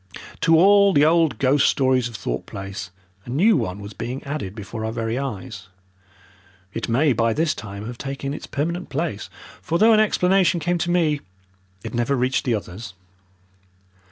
To all the old ghost stories of Thorpe Place a new one was being added before our very eyes. It may by this time have taken its permanent place, for though an explanation came to me, it never reached the others.